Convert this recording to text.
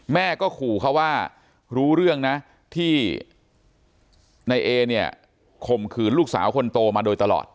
แม่ก็ขู่เขาว่ารู้เรื่องนะที่นายเอเนี่ยข่มขืนลูกสาวคนโตมาโดยตลอด